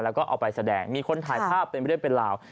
แล้วก็เอาไปแสดงมีคนถ่ายภาพเป็นเรื่องเป็นราว